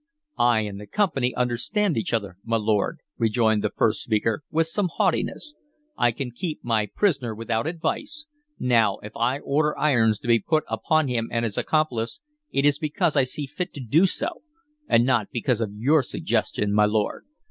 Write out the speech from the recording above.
"I and the Company understand each other, my lord," rejoined the first speaker, with some haughtiness. "I can keep my prisoner without advice. If I now order irons to be put upon him and his accomplice, it is because I see fit to do so, and not because of your suggestion, my lord.